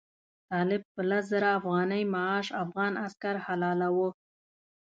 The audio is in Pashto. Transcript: طالب په لس زره افغانۍ معاش افغان عسکر حلالاوه.